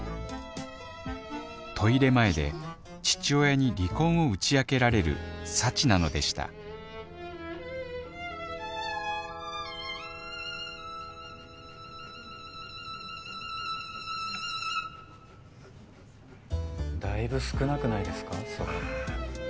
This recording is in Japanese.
トイレ前で父親に離婚を打ち明けられる幸なのでしただいぶ少なくないですかそれ。